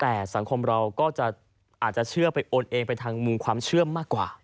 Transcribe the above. แต่สังคมเราก็จะอาจจะเชื่อไปโอนเองไปทางมุมความเชื่อมากกว่า